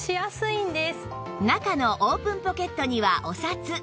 中のオープンポケットにはお札